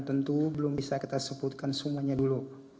tentu belum bisa kita sebutkan semuanya dulu